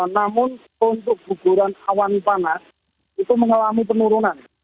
namun untuk guguran awan panas itu mengalami penurunan